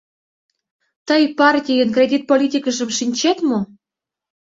Тый партийын кредит политикыжым шинчет мо?